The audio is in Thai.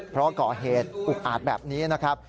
เพราะก่อเหตุอุกอาจแบบนี้นะครับ